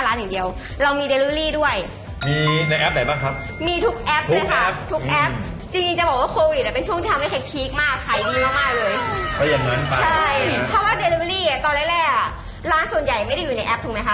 แต่ร้านหรืออยู่ในแอป